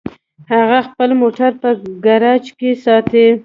هغه خپل موټر په ګراج کې ساتي